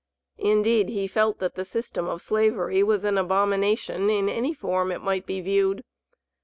Indeed he felt that the system of Slavery was an abomination in any form it might be viewed.